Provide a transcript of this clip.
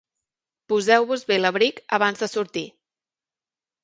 Poseu-vos bé l'abric abans de sortir.